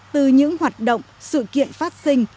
từ những hoạt động sự kiện phát sinh